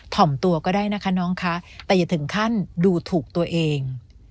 ่อมตัวก็ได้นะคะน้องคะแต่อย่าถึงขั้นดูถูกตัวเอง